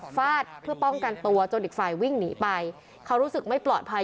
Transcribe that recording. ฟาดเพื่อป้องกันตัวจนอีกฝ่ายวิ่งหนีไปเขารู้สึกไม่ปลอดภัย